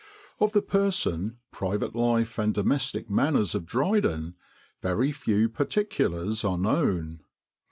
] "Of the person, private life, and domestic manners of Dryden, very few particulars are known.